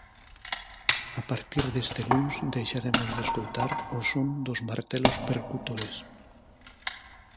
A partir deste luns deixaremos de escoitar o son dos martelos percutores.